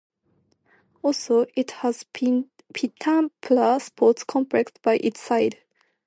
Also it has Pitampura Sports Complex by its side.